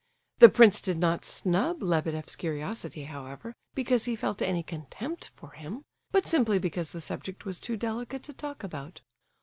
The prince did not snub Lebedeff's curiosity, however, because he felt any contempt for him; but simply because the subject was too delicate to talk about.